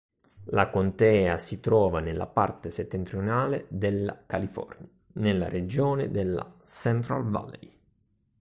La contea si trova nella parte settentrionale della California, nella regione della Central Valley.